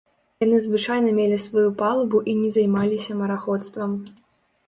Яны звычайна мелі сваю палубу і не займаліся мараходствам.